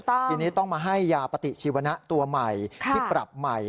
ทีนี้ต้องมาให้ยาปฏิชีวนะตัวใหม่ที่ปรับใหม่